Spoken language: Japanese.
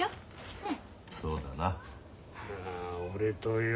うん。